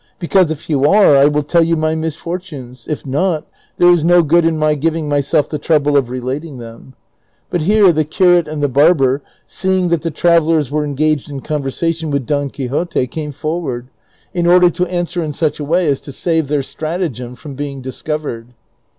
Because if you are I will tell you my misfortunes ; if not, there is no good in my giving myself the trouble of relating them ;" but here the curate and the barber, seeing that the travellers were engaged in conversation with Don Quixote, came forward, CHAPTER XLVII. 403 in order to answer in sucli a way as to save their stratagem from being discovered.